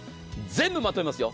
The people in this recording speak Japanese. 全部まとめます。